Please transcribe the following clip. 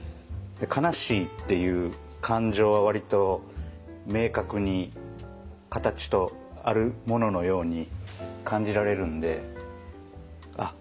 「悲しい」っていう感情は割と明確に形とあるもののように感じられるんであっ